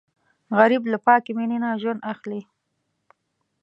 غریب له پاکې مینې نه ژوند اخلي